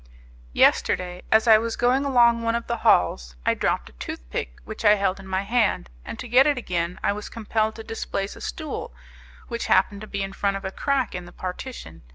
Yesterday, as I was going along one of the halls, I dropped a tooth pick which I held in my hand, and to get it again, I was compelled to displace a stool which happened to be in front of a crack in the partition.